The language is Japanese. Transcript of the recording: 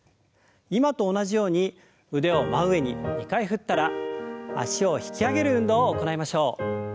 今と同じように腕を真上に２回振ったら脚を引き上げる運動を行いましょう。